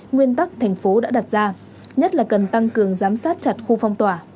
nguyên tắc thành phố đã đặt ra nhất là cần tăng cường giám sát chặt khu phong tỏa